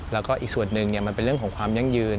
แล้วก็อีกส่วนหนึ่งมันเป็นเรื่องของความยั่งยืน